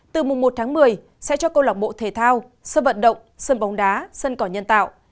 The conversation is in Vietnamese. từ mùng một tháng một mươi sẽ cho câu lạc bộ thể thao sân vận động sân bóng đá sân cỏ nhân tạo